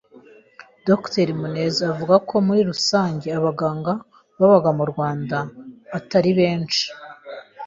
Dr Muneza avuga ko muri rusange abaganga babaga mu Rwanda atari benshi